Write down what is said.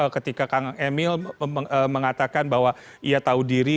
ketika kang emil mengatakan bahwa ia tahu diri